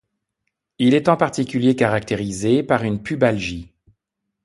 Il est en particulier caractérisé par une pubalgie.